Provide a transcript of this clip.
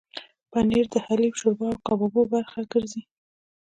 پنېر د حلیم، شوروا او کبابو برخه ګرځي.